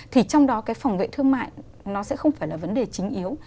thì trong đó cái phòng vệ thương mại nó sẽ không phải là vấn đề chính yếu